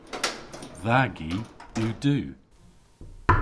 Dha gi yw du.